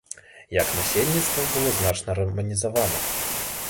Яе насельніцтва было значна раманізавана.